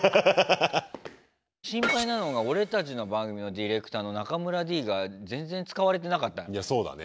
心配なのが俺たちの番組のディレクターの中村Ｄが全然使われてなかったね。